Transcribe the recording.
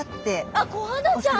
あっコハダちゃん！